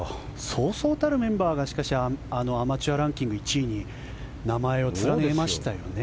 そうそうたるメンバーがしかしアマチュアランキング１位に名前を連ねましたよね。